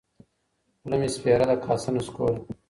خوله مي سپېره ده کاسه نسکوره